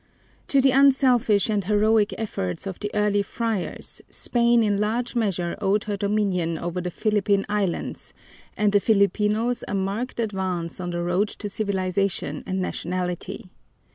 To the unselfish and heroic efforts of the early friars Spain in large measure owed her dominion over the Philippine Islands and the Filipinos a marked advance on the road to civilization and nationality.